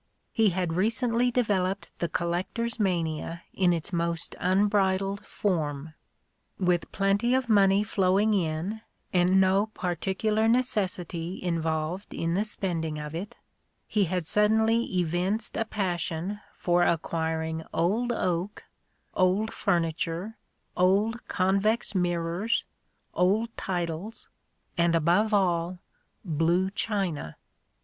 He had recently developed the collector's mania in its most unbridled form : with plenty of money lowing in, and no particular necessity involved in the spending of it, he had suddenly evinced a passion for acquiring old oak, old furniture, old convex mirrors, old titles — and, above all, blue china.